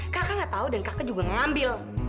kakak gak tau dan kakak juga ngambil